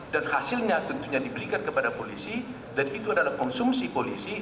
dan hasilnya tentunya diberikan kepada polisi dan itu adalah konsumsi polisi